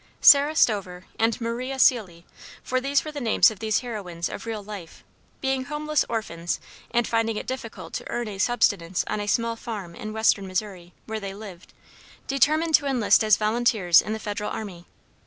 Sarah Stover and Maria Seelye, for these were the names of these heroines of real life, being homeless orphans, and finding it difficult to earn a subsistence on a small farm in Western Missouri, where they lived, determined to enlist as volunteers in the Federal Army.